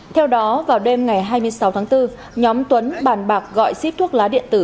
theo đó vào đêm ngày hai mươi sáu tháng bốn nhóm tuấn bàn bạc gọi ship thuốc lá điện tử